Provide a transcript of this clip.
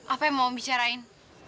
apa yang mau bicarain